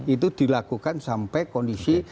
itu dilakukan sampai kondisi